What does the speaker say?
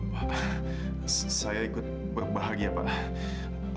wah saya ikut berbahagia pak